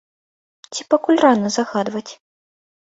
Ці пакуль рана загадваць?